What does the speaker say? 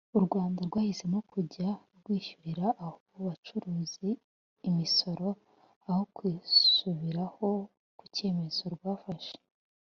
u Rwanda rwahisemo kujya rwishyurira abo bacuruzi imisoro aho kwisubiraho ku cyemezo rwafashe